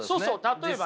例えばね